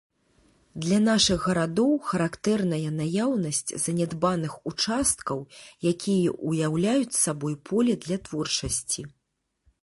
Для нашых гарадоў характэрная наяўнасць занядбаных участкаў, якія ўяўляюць сабой поле для творчасці.